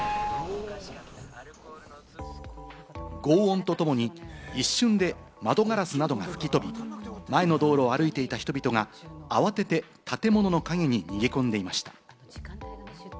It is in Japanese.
ごう音とともに一瞬で窓ガラスなどが吹き飛び、前の道路を歩いていた人々が慌てて建物の陰に逃げ込んでいました。